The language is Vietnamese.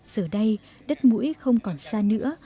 giờ đây đất mũi không còn xa nữa